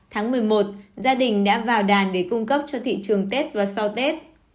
tháng một mươi một gia đình đã vào đàn để cung cấp cho thị trường tết và sau tết